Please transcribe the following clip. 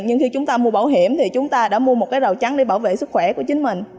nhưng khi chúng ta mua bảo hiểm thì chúng ta đã mua một cái rào trắng để bảo vệ sức khỏe của chính mình